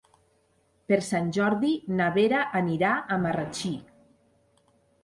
Per Sant Jordi na Vera anirà a Marratxí.